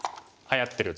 はやってる。